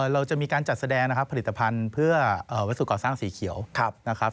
เราจะมีการจัดแสดงนะครับผลิตภัณฑ์เพื่อวัสดุก่อสร้างสีเขียวนะครับ